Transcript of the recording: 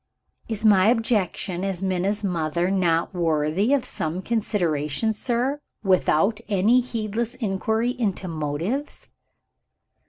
"Is my objection, as Minna's mother, not worthy of some consideration, sir, without any needless inquiry into motives?"